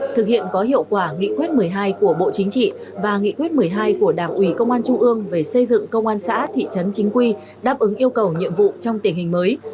thực hiện có hiệu quả nghị quyết một mươi hai của bộ chính trị và nghị quyết một mươi hai của đảng ủy công an trung ương về xây dựng công an xã thị trấn chính quy đáp ứng yêu cầu nhiệm vụ trong tình hình mới